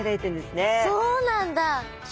そうなんだ！